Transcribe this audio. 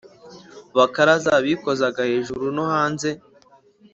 bakaraza bikozaga hejuru no hanze